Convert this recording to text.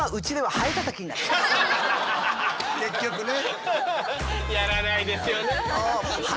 結局ね。